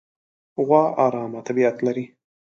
غوا ارامه طبیعت لري.